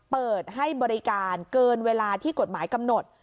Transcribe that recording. เปิดให้บริการเกินเวลาที่กฎหมายกำหนด